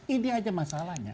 ini aja masalahnya